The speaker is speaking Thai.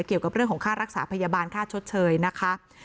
เกี่ยวกับเรื่องของค่ารักษาพยาบาลค่าชดเชยนะคะ